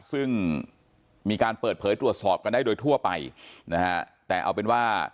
ซึ่งมีการเปิดเผยตรวจสอบกันได้โดยทั่วไปนะฮะแต่เอาเป็นว่า